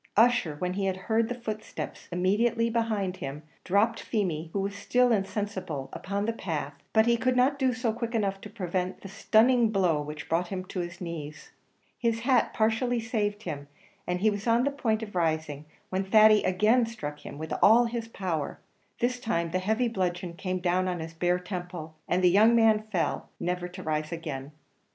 Ussher, when he had heard the footsteps immediately behind him, dropped Feemy, who was still insensible, upon the path; but he could not do so quick enough to prevent the stunning blow which brought him on his knees. His hat partially saved him, and he was on the point of rising, when Thady again struck him with all his power; this time the heavy bludgeon came down on his bare temple, and the young man fell, never to rise again.